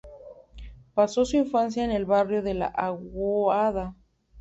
Pasó su infancia en el barrio de La Aguada.